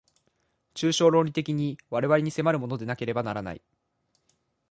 抽象論理的に我々に迫るものでなければならない。